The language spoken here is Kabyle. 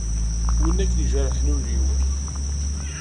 Wina akken i ijerḥen ul-iw.